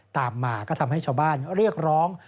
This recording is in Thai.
ตามมาก็ทำให้ชาวบ้านเรียกร้อง